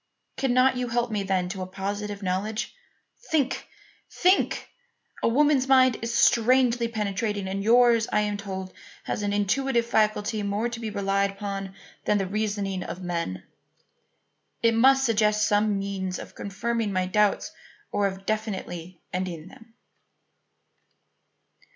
Cannot you help me then to a positive knowledge? Think! think! A woman's mind is strangely penetrating, and yours, I am told, has an intuitive faculty more to be relied upon than the reasoning of men. It must suggest some means of confirming my doubts or of definitely ending them."